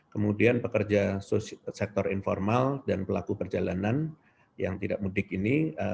kemudian pekerja sektor informal dan pelaku perjalanan yang tidak mudik ini